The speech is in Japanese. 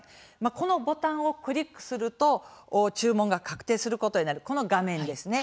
このボタンをクリックすると注文が確定することになるこの画面ですね